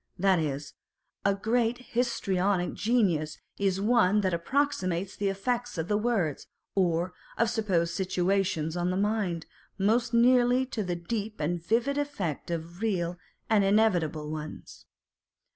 That is, a great histrionic genius is one that approximates the effects of words, or of supposed situations on the mind, most nearly to the deep and vivid effect of real and inevitable ones.